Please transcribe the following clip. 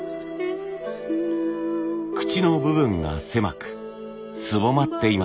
口の部分が狭くすぼまっています。